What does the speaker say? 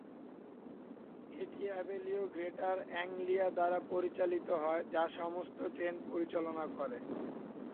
এটি Abellio Greater Anglia দ্বারা পরিচালিত হয়, যা সমস্ত ট্রেন পরিচালনা করে।